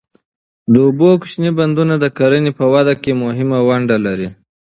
د اوبو کوچني بندونه د کرنې په وده کې مهم رول لري.